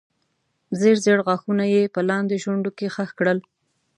ژېړ ژېړ غاښونه یې په لاندې شونډه کې خښ کړل.